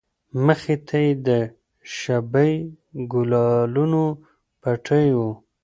مخې ته يې د شبۍ د گلانو پټى و.